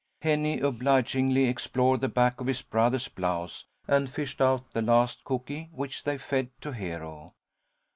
Henny obligingly explored the back of his brother's blouse, and fished out the last cooky, which they fed to Hero.